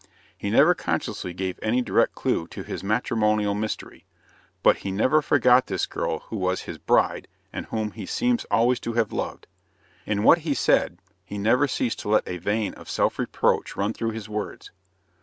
He never consciously gave any direct clue to his matrimonial mystery; but he never forgot this girl who was his bride and whom he seems always to have loved. In what he said he never ceased to let a vein of self reproach run through his words.